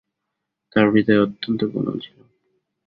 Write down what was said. তাঁর হৃদয় অত্যন্ত কোমল ছিল।